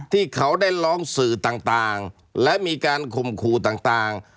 ที่เขาได้ร้องสื่อต่างและมีการข่มขู่ต่าง